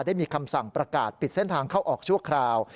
ได้มีคำสั่งประกาศปิดเส้นทางเข้าออกชั่วคราว